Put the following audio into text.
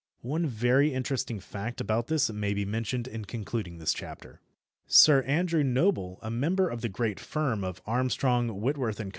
One very interesting fact about this may be mentioned in concluding this chapter. Sir Andrew Noble, a member of the great firm of Armstrong, Whitworth & Co.